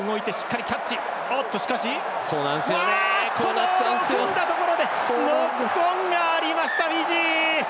モールを組んだところでノックオンがありましたフィジー。